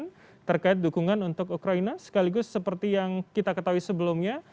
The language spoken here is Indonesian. yang terkait dukungan untuk ukraina sekaligus seperti yang kita ketahui sebelumnya